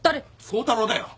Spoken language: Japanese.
宗太郎だよ。